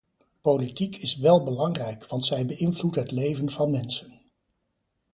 Politiek is wel belangrijk, want zij beïnvloedt het leven van mensen.